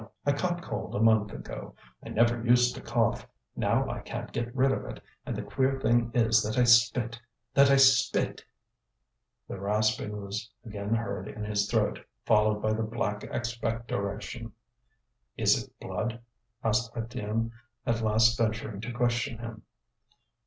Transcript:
I caught cold a month ago. I never used to cough; now I can't get rid of it. And the queer thing is that I spit, that I spit " The rasping was again heard in his throat, followed by the black expectoration. "Is it blood?" asked Étienne, at last venturing to question him.